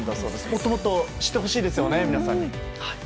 もっともっと知ってほしいですよね、皆さんに。